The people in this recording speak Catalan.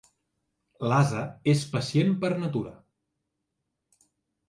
L'ase és pacient per natura.